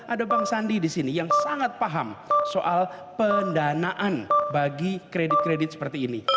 ada bang sandi di sini yang sangat paham soal pendanaan bagi kredit kredit seperti ini